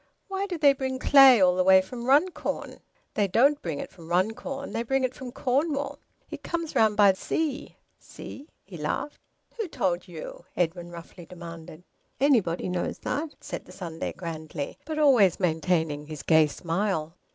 "Why do they bring clay all the way from Runcorn?" "They don't bring it from Runcorn. They bring it from Cornwall. It comes round by sea see?" He laughed. "Who told you?" Edwin roughly demanded. "Anybody knows that!" said the Sunday grandly, but always maintaining his gay smile.